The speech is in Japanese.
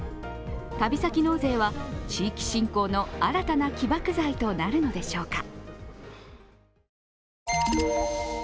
旅先納税は、地域振興の新たな起爆剤となるのでしょうか。